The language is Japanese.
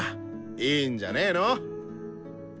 いいんじゃねの？